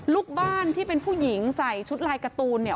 ลูกบ้านที่เป็นผู้หญิงใส่ชุดลายการ์ตูนเนี่ย